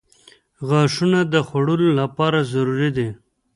• غاښونه د خوړلو لپاره ضروري دي.